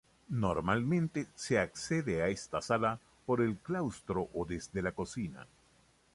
Normalmente se accede a esta sala por el claustro o desde la cocina.